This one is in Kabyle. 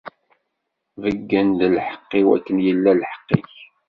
Beyyen-d lḥeqq-iw, akken yella lḥeqq-ik.